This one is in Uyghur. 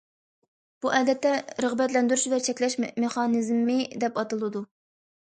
بۇ ئادەتتە‹‹ رىغبەتلەندۈرۈش ۋە چەكلەش مېخانىزمى›› دەپ ئاتىلىدۇ.